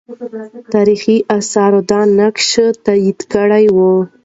تاریخي آثار دا نقش تایید کړی وو.